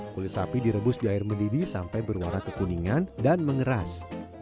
kulit sapi direbus di air mendidih sampai berwarna kekuningan dan mengeras